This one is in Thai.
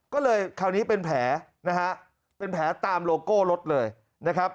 ก็เลยคราวนี้เป็นแผลนะฮะเป็นแผลตามโลโก้รถเลยนะครับ